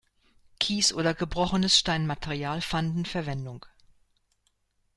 Kies oder gebrochenes Steinmaterial fanden Verwendung.